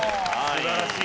素晴らしい。